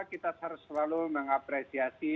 kita harus selalu mengapresiasi